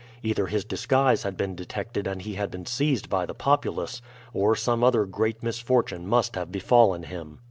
Either his disguise had been detected and he had been seized by the populace, or some other great misfortune must have befallen him.